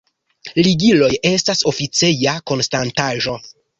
Ligiloj estas oficeja konstantaĵo.